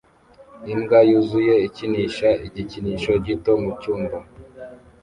Imbwa yuzuye ikinisha igikinisho gito mucyumba